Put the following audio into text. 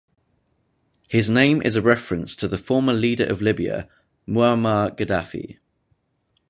His name is a reference to the former leader of Libya, Muammar Gaddafi.